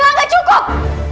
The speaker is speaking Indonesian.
nina rela gak cukup